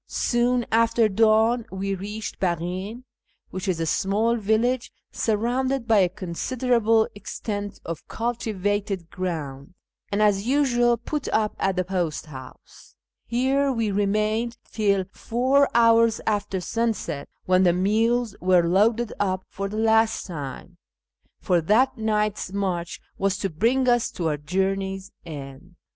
Soon after dawn we reached Baghin (which is a small village surrounded by a considerable extent of cultivated grouudj, and, as usual, put up at the post house. Here we remained till four hours after sunset, when the mules were loaded up for the last time, for that night's march was to bring us to our journey's end.